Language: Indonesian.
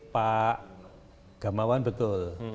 pak gamawan betul